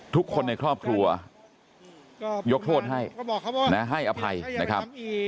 ทุกคนในครอบครัวยกโทษให้ให้อภัยนะครับ